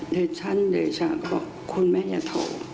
เดชั่นเดชาก็บอกคุณแม่อย่าโทร